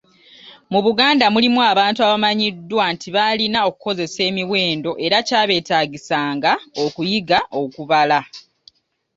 Mu Buganda mulimu abantu abamanyiddwa nti baalina okukozesa emiwendo era kyabeetaagisanga okuyiga okubala.